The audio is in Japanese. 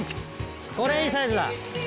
これいいサイズだ。